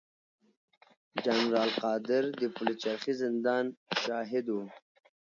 جنرال قادر د پلچرخي زندان شاهد و.